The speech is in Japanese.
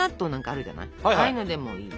ああいうのでもいい。